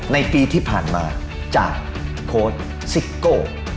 ในปีที่ผ่านมาจากโค้ชซิโก้